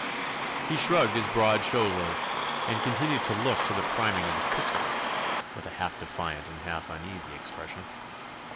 He shrugged his broad shoulders, and continued to look to the priming of his pistols, with a half defiant and half uneasy expression.